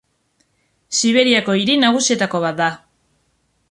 Siberiako hiri nagusietako bat da.